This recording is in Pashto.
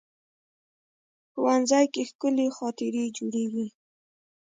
ښوونځی کې ښکلي خاطرې جوړېږي